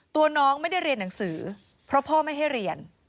ตัวน้องไม่ได้เรียนหนังสือเพราะพ่อไม่ให้เรียน